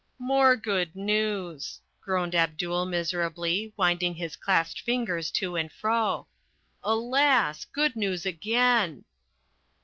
"More good news," groaned Abdul miserably, winding his clasped fingers to and fro. "Alas, good news again!"